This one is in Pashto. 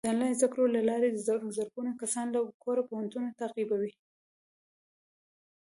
د آنلاین زده کړو له لارې زرګونه کسان له کوره پوهنتونونه تعقیبوي.